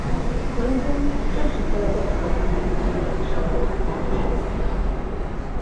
Hanson nem sokkal az expedíció indulása előtt házasodott meg.